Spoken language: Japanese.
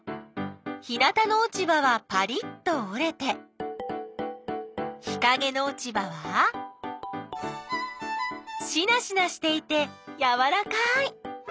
日なたのおちばはパリッとおれて日かげのおちばはしなしなしていてやわらかい！